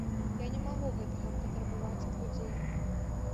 Я не магу гэтага патрабаваць ад людзей.